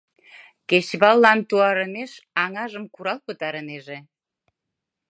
Кечываллан туарымеш аҥажым курал пытарынеже.